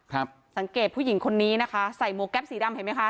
สังเกตผู้หญิงคนนี้นะคะใส่หมวกแป๊บสีดำเห็นไหมคะ